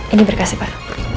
ini berkasnya pak